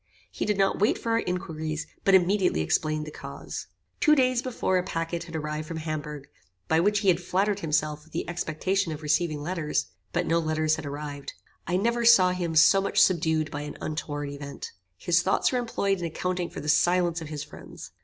He did not wait for our inquiries, but immediately explained the cause. Two days before a packet had arrived from Hamburgh, by which he had flattered himself with the expectation of receiving letters, but no letters had arrived. I never saw him so much subdued by an untoward event. His thoughts were employed in accounting for the silence of his friends.